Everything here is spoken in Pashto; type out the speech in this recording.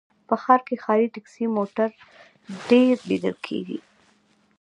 په ښار کې ښاري ټکسي موټر ډېر لږ ليدل کېږي